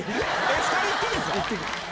２人行っていいんですか？